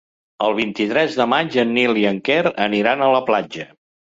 El vint-i-tres de maig en Nil i en Quer aniran a la platja.